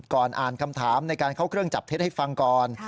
อ่านคำถามในการเข้าเครื่องจับเท็จให้ฟังก่อน